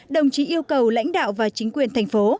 đồng chí yêu cầu lãnh đạo và chính quyền thành phố